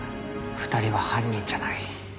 ２人は犯人じゃない。